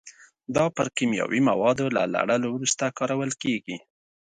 دا پر کیمیاوي موادو له لړلو وروسته کارول کېږي.